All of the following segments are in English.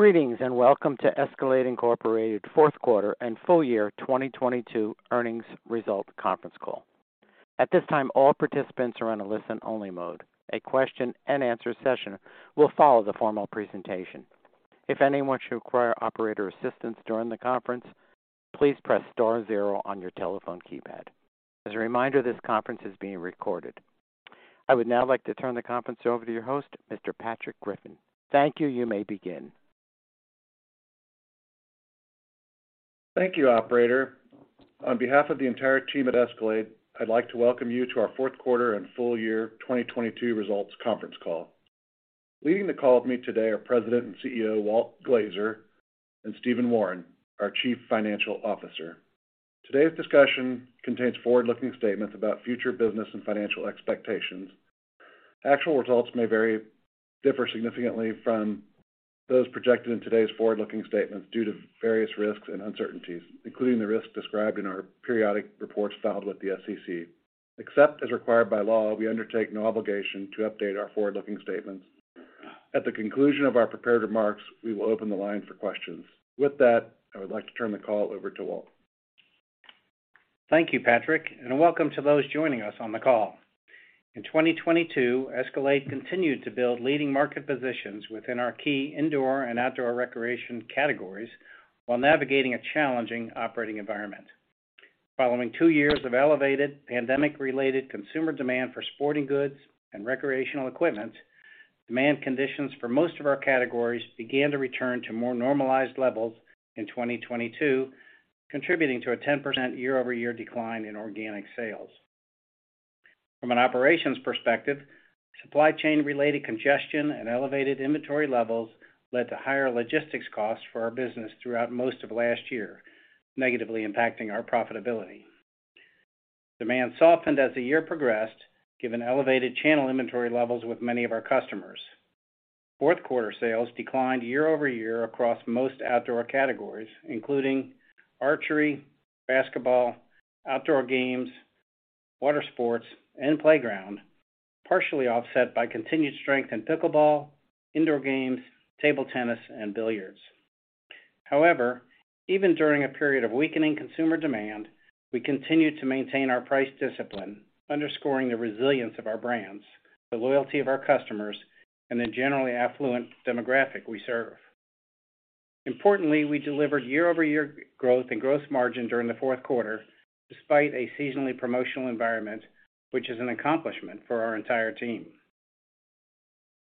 Greetings, welcome to Escalade, Incorporated fourth quarter and full year 2022 earnings result conference call. At this time, all participants are on a listen-only mode. A question and answer session will follow the formal presentation. If anyone should require operator assistance during the conference, please press star zero on your telephone keypad. As a reminder, this conference is being recorded. I would now like to turn the conference over to your host, Mr. Patrick Griffin. Thank you. You may begin. Thank you, operator. On behalf of the entire team at Escalade, I'd like to welcome you to our fourth quarter and full year 2022 results conference call. Leading the call with me today are President and CEO, Walt Glazer, and Stephen Wawrin, our Chief Financial Officer. Today's discussion contains forward-looking statements about future business and financial expectations. Actual results differ significantly from those projected in today's forward-looking statements due to various risks and uncertainties, including the risks described in our periodic reports filed with the SEC. Except as required by law, we undertake no obligation to update our forward-looking statements. At the conclusion of our prepared remarks, we will open the line for questions. With that, I would like to turn the call over to Walt. Thank you, Patrick. Welcome to those joining us on the call. In 2022, Escalade continued to build leading market positions within our key indoor and outdoor recreation categories while navigating a challenging operating environment. Following two years of elevated pandemic-related consumer demand for sporting goods and recreational equipment, demand conditions for most of our categories began to return to more normalized levels in 2022, contributing to a 10% year-over-year decline in organic sales. From an operations perspective, supply chain related congestion and elevated inventory levels led to higher logistics costs for our business throughout most of last year, negatively impacting our profitability. Demand softened as the year progressed, given elevated channel inventory levels with many of our customers. Fourth quarter sales declined year-over-year across most outdoor categories, including archery, basketball, outdoor games, water sports, and playground, partially offset by continued strength in pickleball, indoor games, table tennis, and billiards. Even during a period of weakening consumer demand, we continued to maintain our price discipline, underscoring the resilience of our brands, the loyalty of our customers, and the generally affluent demographic we serve. Importantly, we delivered year-over-year growth and gross margin during the fourth quarter despite a seasonally promotional environment, which is an accomplishment for our entire team.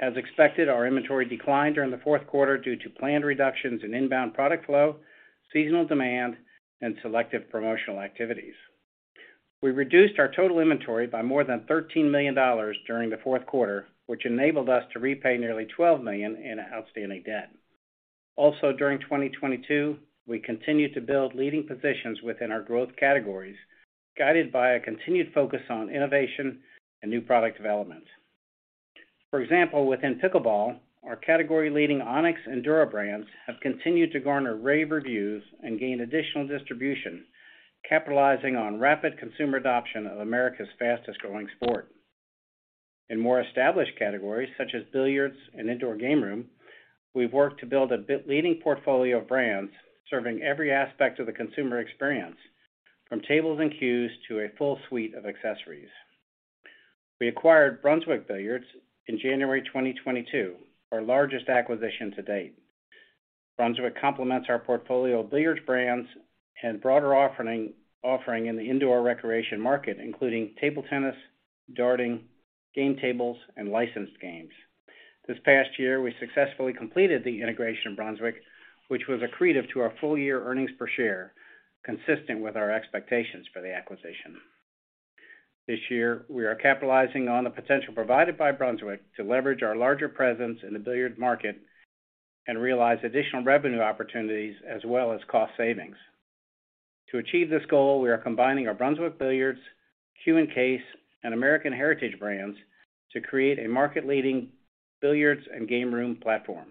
As expected, our inventory declined during the fourth quarter due to planned reductions in inbound product flow, seasonal demand, and selective promotional activities. We reduced our total inventory by more than $13 million during the fourth quarter, which enabled us to repay nearly $12 million in outstanding debt. During 2022, we continued to build leading positions within our growth categories, guided by a continued focus on innovation and new product development. For example, within pickleball, our category-leading ONIX and DURA brands have continued to garner rave reviews and gain additional distribution, capitalizing on rapid consumer adoption of America's fastest-growing sport. In more established categories such as billiards and indoor game room, we've worked to build a bit leading portfolio of brands serving every aspect of the consumer experience, from tables and cues to a full suite of accessories. We acquired Brunswick Billiards in January 2022, our largest acquisition to date. Brunswick complements our portfolio of billiards brands and broader offering in the indoor recreation market, including table tennis, darting, game tables, and licensed games. This past year, we successfully completed the integration of Brunswick, which was accretive to our full year earnings per share, consistent with our expectations for the acquisition. This year, we are capitalizing on the potential provided by Brunswick to leverage our larger presence in the billiards market and realize additional revenue opportunities as well as cost savings. To achieve this goal, we are combining our Brunswick Billiards, Cue & Case, and American Heritage brands to create a market-leading billiards and game room platform.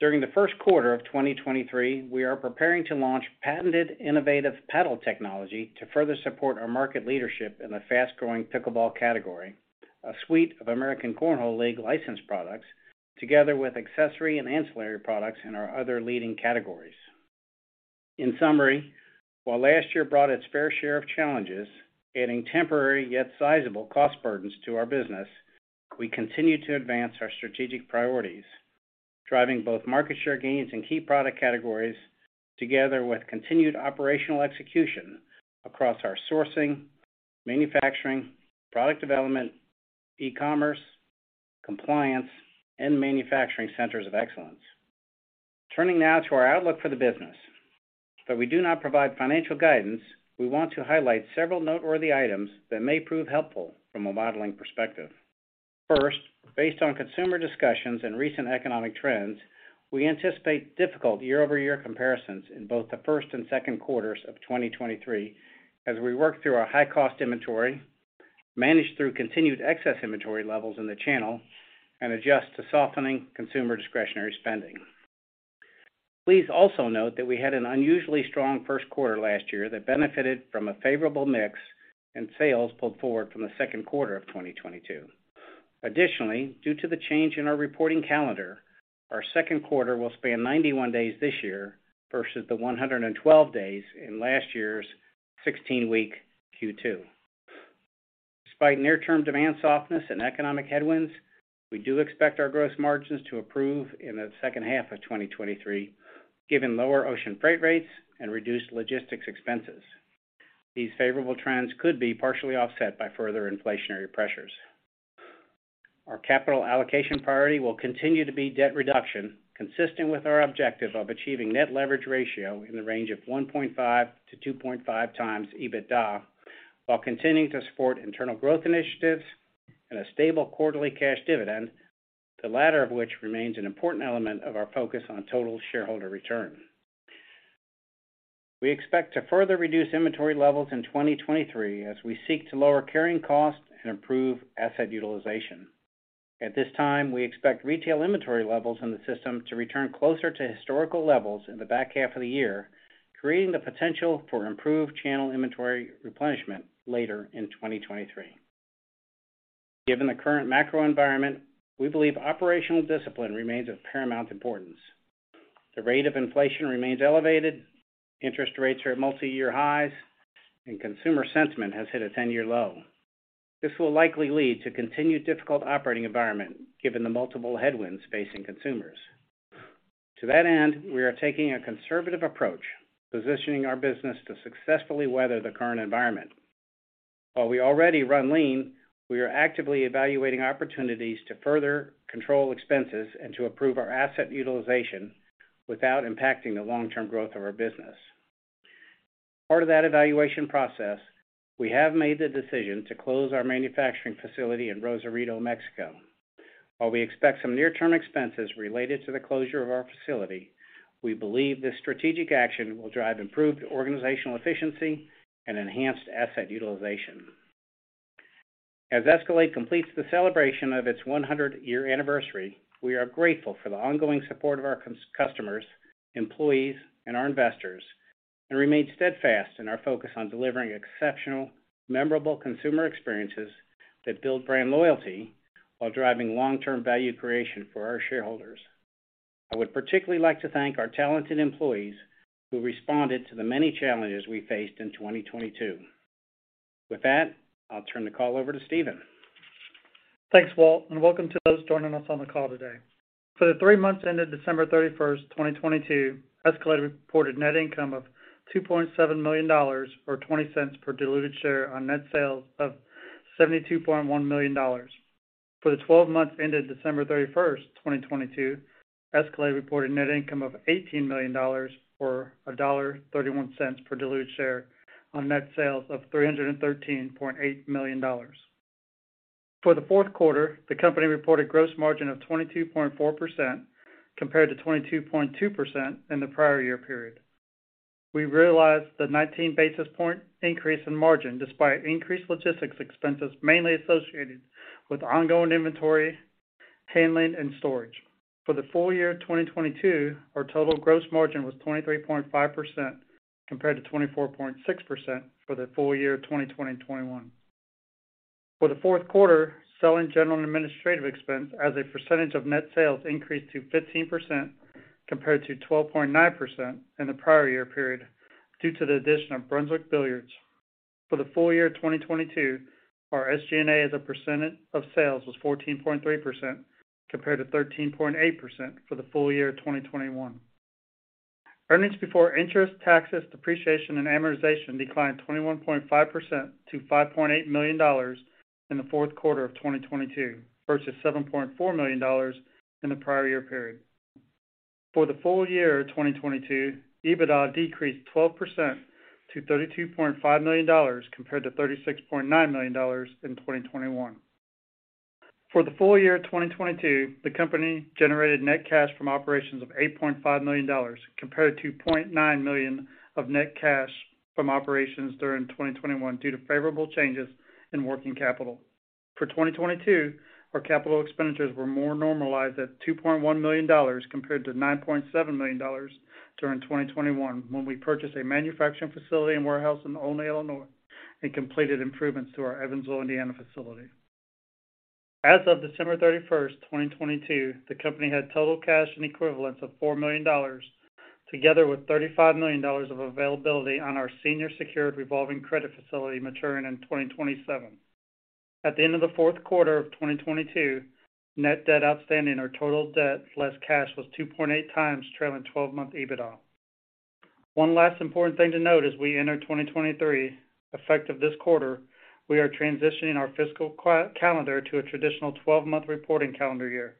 During the first quarter of 2023, we are preparing to launch patented innovative paddle technology to further support our market leadership in the fast-growing pickleball category, a suite of American Cornhole League licensed products, together with accessory and ancillary products in our other leading categories. In summary, while last year brought its fair share of challenges, adding temporary yet sizable cost burdens to our business, we continued to advance our strategic priorities, driving both market share gains in key product categories together with continued operational execution across our sourcing, manufacturing, product development, e-commerce, compliance, and manufacturing centers of excellence. Turning now to our outlook for the business. Though we do not provide financial guidance, we want to highlight several noteworthy items that may prove helpful from a modeling perspective. First, based on consumer discussions and recent economic trends, we anticipate difficult year-over-year comparisons in both the first and second quarters of 2023 as we work through our high-cost inventory, manage through continued excess inventory levels in the channel, and adjust to softening consumer discretionary spending. Also note that we had an unusually strong first quarter last year that benefited from a favorable mix and sales pulled forward from the second quarter of 2022. Due to the change in our reporting calendar, our second quarter will span 91 days this year versus the 112 days in last year's 16-week Q2. Despite near-term demand softness and economic headwinds, we do expect our gross margins to improve in the second half of 2023, given lower ocean freight rates and reduced logistics expenses. These favorable trends could be partially offset by further inflationary pressures. Our capital allocation priority will continue to be debt reduction, consistent with our objective of achieving net leverage ratio in the range of 1.5x-2.5x EBITDA, while continuing to support internal growth initiatives and a stable quarterly cash dividend, the latter of which remains an important element of our focus on total shareholder return. We expect to further reduce inventory levels in 2023 as we seek to lower carrying costs and improve asset utilization. At this time, we expect retail inventory levels in the system to return closer to historical levels in the back half of the year, creating the potential for improved channel inventory replenishment later in 2023. Given the current macro environment, we believe operational discipline remains of paramount importance. The rate of inflation remains elevated, interest rates are at multi-year highs, and consumer sentiment has hit a 10-year low. This will likely lead to continued difficult operating environment given the multiple headwinds facing consumers. We are taking a conservative approach, positioning our business to successfully weather the current environment. While we already run lean, we are actively evaluating opportunities to further control expenses and to improve our asset utilization without impacting the long-term growth of our business. Part of that evaluation process, we have made the decision to close our manufacturing facility in Rosarito, Mexico. While we expect some near-term expenses related to the closure of our facility, we believe this strategic action will drive improved organizational efficiency and enhanced asset utilization. As Escalade completes the celebration of its 100-year anniversary, we are grateful for the ongoing support of our customers, employees, and our investors, and remain steadfast in our focus on delivering exceptional, memorable consumer experiences that build brand loyalty while driving long-term value creation for our shareholders. I would particularly like to thank our talented employees who responded to the many challenges we faced in 2022. With that, I'll turn the call over to Stephen. Thanks, Walt, and welcome to those joining us on the call today. For the three months ended December 31, 2022, Escalade reported net income of $2.7 million, or $0.20 per diluted share on net sales of $72.1 million. For the 12 months ended December 31, 2022, Escalade reported net income of $18 million or $1.31 per diluted share on net sales of $313.8 million. For the fourth quarter, the company reported gross margin of 22.4% compared to 22.2% in the prior year period. We realized the 19 basis point increase in margin despite increased logistics expenses mainly associated with ongoing inventory, handling, and storage. For the full year of 2022, our total gross margin was 23.5% compared to 24.6% for the full year of 2020 and 2021. For the fourth quarter, Selling, General and Administrative expense as a percentage of net sales increased to 15% compared to 12.9% in the prior year period due to the addition of Brunswick Billiards. For the full year of 2022, our SG&A as a percentage of sales was 14.3% compared to 13.8% for the full year of 2021. Earnings Before Interest, Taxes, Depreciation, and Amortization declined 21.5% to $5.8 million in the fourth quarter of 2022 versus $7.4 million in the prior year period. For the full year of 2022, EBITDA decreased 12% to $32.5 million compared to $36.9 million in 2021. For the full year of 2022, the company generated net cash from operations of $8.5 million compared to $0.9 million of net cash from operations during 2021 due to favorable changes in working capital. For 2022, our capital expenditures were more normalized at $2.1 million compared to $9.7 million during 2021 when we purchased a manufacturing facility and warehouse in Olney, Illinois, and completed improvements to our Evansville, Indiana, facility. As of December 31st, 2022, the company had total cash and equivalents of $4 million, together with $35 million of availability on our senior secured revolving credit facility maturing in 2027. At the end of the fourth quarter of 2022, net debt outstanding or total debt less cash was 2.8x trailing 12-month EBITDA. One last important thing to note as we enter 2023, effective this quarter, we are transitioning our fiscal calendar to a traditional 12-month reporting calendar year.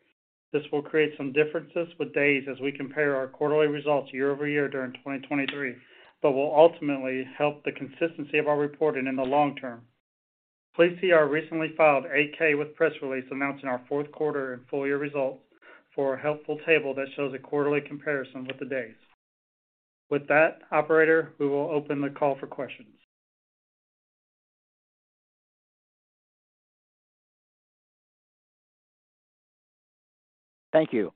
This will create some differences with days as we compare our quarterly results year-over-year during 2023, but will ultimately help the consistency of our reporting in the long term. Please see our recently filed Form 8-K with press release announcing our fourth quarter and full year results for a helpful table that shows a quarterly comparison with the days. With that, operator, we will open the call for questions. Thank you.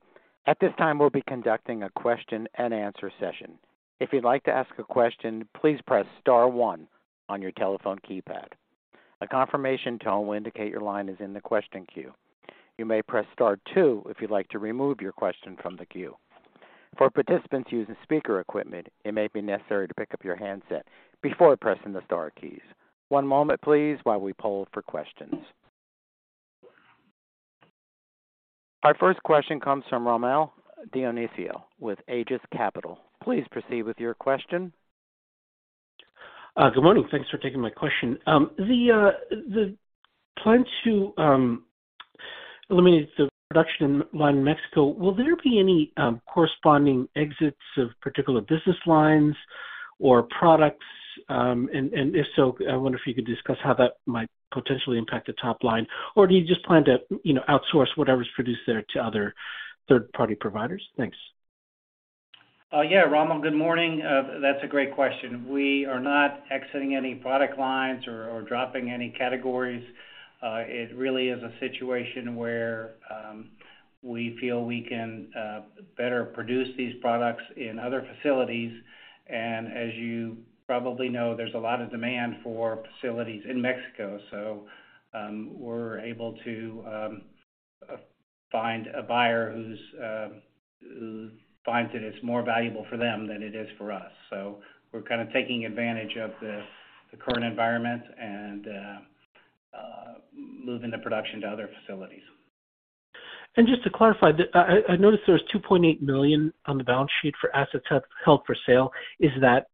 At this time, we'll be conducting a question-and-answer session. If you'd like to ask a question, please press star one on your telephone keypad. A confirmation tone will indicate your line is in the question queue. You may press star two if you'd like to remove your question from the queue. For participants using speaker equipment, it may be necessary to pick up your handset before pressing the star keys. One moment, please, while we poll for questions. Our first question comes from Rommel Dionisio with Aegis Capital. Please proceed with your question. Good morning. Thanks for taking my question. The plan to eliminate the production line in Mexico, will there be any corresponding exits of particular business lines or products? If so, I wonder if you could discuss how that might potentially impact the top line, or do you just plan to, you know, outsource whatever's produced there to other third-party providers? Thanks. Yeah, Rommel, good morning. That's a great question. We are not exiting any product lines or dropping any categories. It really is a situation where we feel we can better produce these products in other facilities. As you probably know, there's a lot of demand for facilities in Mexico, so we're able to find a buyer who's finds that it's more valuable for them than it is for us. We're kind of taking advantage of the current environment and moving the production to other facilities. Just to clarify, I noticed there's $2.8 million on the balance sheet for assets held for sale. Is that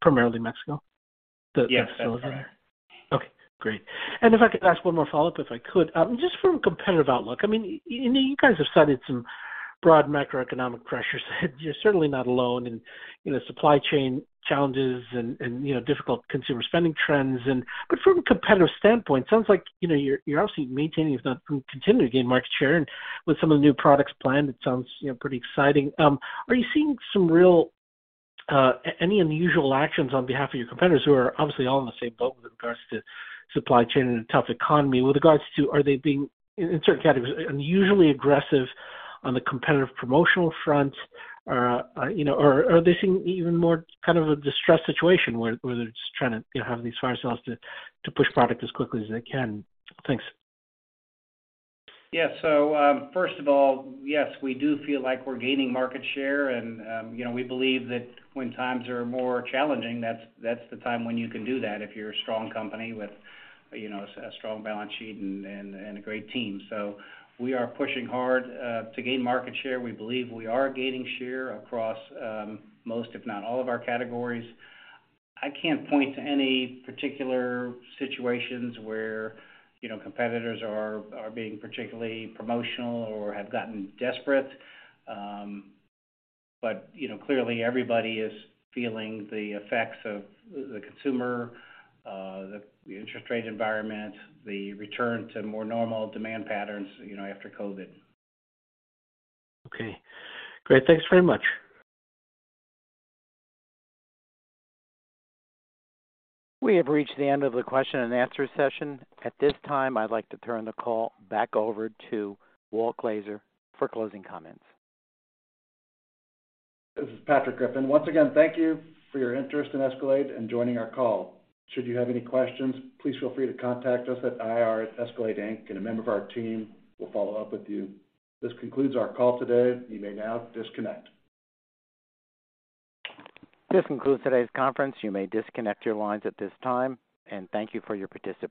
primarily Mexico? Yes. Okay, great. If I could ask one more follow-up, if I could. Just from a competitive outlook, I mean, you know, you guys have cited some broad macroeconomic pressures. You're certainly not alone in, you know, supply chain challenges and, you know, difficult consumer spending trends. From a competitive standpoint, sounds like, you know, you're obviously maintaining, if not continuing to gain market share. With some of the new products planned, it sounds, you know, pretty exciting. Are you seeing some real any unusual actions on behalf of your competitors, who are obviously all in the same boat with regards to supply chain and a tough economy? With regards to, are they being, in certain categories, unusually aggressive on the competitive promotional front? You know, or are they seeing even more kind of a distressed situation where they're just trying to, you know, have these fire sales to push product as quickly as they can? Thanks. Yeah. First of all, yes, we do feel like we're gaining market share and, you know, we believe that when times are more challenging, that's the time when you can do that if you're a strong company with, you know, a strong balance sheet and a great team. We are pushing hard to gain market share. We believe we are gaining share across most, if not all of our categories. I can't point to any particular situations where, you know, competitors are being particularly promotional or have gotten desperate. Clearly everybody is feeling the effects of the consumer, the interest rate environment, the return to more normal demand patterns, you know, after COVID. Okay, great. Thanks very much. We have reached the end of the question-and-answer session. At this time, I'd like to turn the call back over to Walt Glazer for closing comments. This is Patrick Griffin. Once again, thank you for your interest in Escalade and joining our call. Should you have any questions, please feel free to contact us at IR at Escalade Inc, and a member of our team will follow up with you. This concludes our call today. You may now disconnect. This concludes today's conference. You may disconnect your lines at this time, and thank you for your participation.